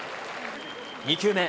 ２球目。